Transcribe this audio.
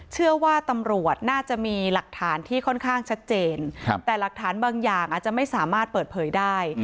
เชื่อว่าตำรวจน่าจะมีหลักฐานที่ค่อนข้างชัดเจนแต่หลักฐานบางอย่างอาจจะไม่สามารถเปิดเผยได้